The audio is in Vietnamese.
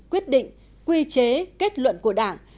quyết định quy chế kết luận của đảng